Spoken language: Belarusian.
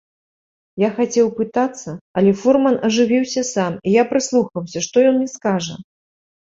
Я хацеў пытацца, але фурман ажывіўся сам, і я прыслухаўся, што ён мне скажа?